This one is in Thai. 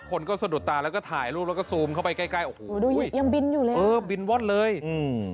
คนก็สะดุดตาแล้วก็ถ่ายรูปแล้วก็ซูมเข้าไปใกล้ใกล้โอ้โหดูอยู่ยังบินอยู่เลยเออบินว่อนเลยอืม